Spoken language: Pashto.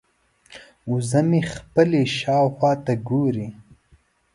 وزه مې خپلې شاوخوا ته ګوري.